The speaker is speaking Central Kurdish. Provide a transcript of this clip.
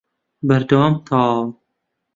بەراوردم تەواوە